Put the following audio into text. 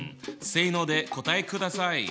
「せの」で答えください。